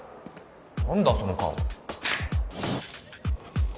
何だその顔